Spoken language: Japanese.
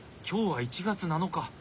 今日は１月７日！